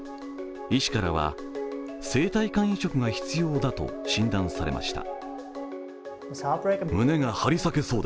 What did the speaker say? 医師からは生体肝移植が必要だと診断されました。